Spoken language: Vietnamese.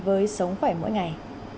với sống khỏe mỗi ngày